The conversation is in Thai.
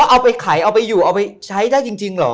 เอาไปขายเอาไปอยู่เอาไปใช้ได้จริงเหรอ